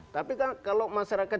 tapi kalau masyarakat